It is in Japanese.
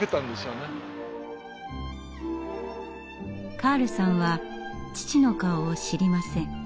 カールさんは父の顔を知りません。